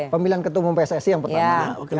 pemilihan ketua umum pssi yang pertama